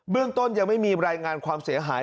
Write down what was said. เรื่องต้นยังไม่มีรายงานความเสียหาย